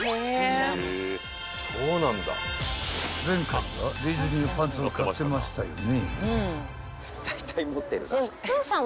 ［前回はディズニーのパンツを買ってましたよね］